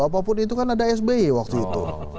apapun itu kan ada sby waktu itu